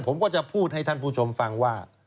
ผมก็จะพูดให้ท่านผู้ชมฟังว่า